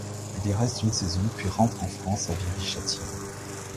Il y reste une saison puis rentre en France à Viry-Châtillon.